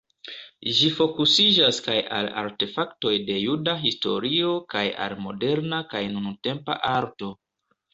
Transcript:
Ĝi fokusiĝas kaj al artefaktoj de juda historio kaj al moderna kaj nuntempa arto.